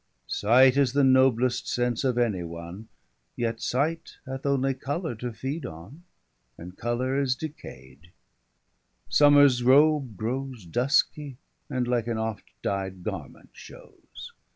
Sight is the noblest sense of any one, Yet sight hath only colour to feed on, And colour is decai'd: summers robe growes 355 Duskie, and like an oft dyed garment showes.